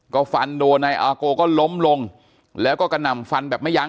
ก็ฟันโดนนายอาโกก็ล้มลงแล้วก็กระหน่ำฟันแบบไม่ยั้ง